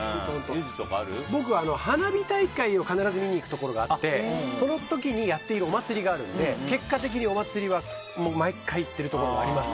僕は花火大会を必ず見に行くところがあってその時にやっているお祭りがあるので結果的にお祭りは毎回行ってるところがあります。